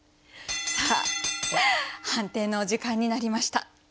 さあ判定のお時間になりました。